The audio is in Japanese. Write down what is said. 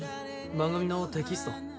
番組のテキスト。